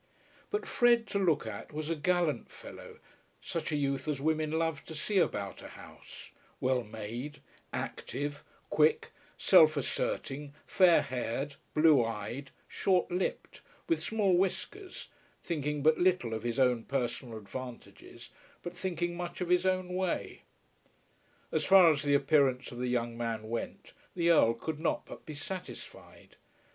But Fred, to look at, was a gallant fellow, such a youth as women love to see about a house, well made, active, quick, self asserting, fair haired, blue eyed, short lipped, with small whiskers, thinking but little of his own personal advantages, but thinking much of his own way. As far as the appearance of the young man went the Earl could not but be satisfied.